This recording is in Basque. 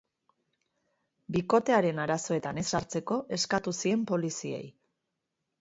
Bikotearen arazoetan ez sartzeko eskatu zien poliziei.